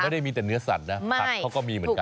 ไม่ได้มีแต่เนื้อสัตว์นะผักเขาก็มีเหมือนกัน